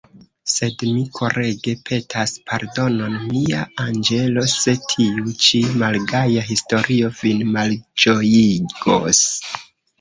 Sed mi korege petas pardonon, mia anĝelo, se tiu ĉi malgaja historio vin malĝojigos.